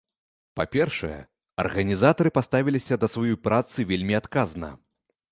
Па-першае, арганізатары паставіліся да сваёй працы вельмі адказна.